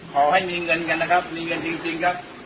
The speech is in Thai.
ขอให้มีเงินกันนะครับมีเงินจริงครับ